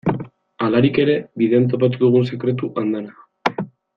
Halarik ere, bidean topatu dugun sekretu andana.